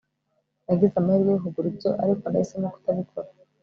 nagize amahirwe yo kugura ibyo, ariko nahisemo kutabikora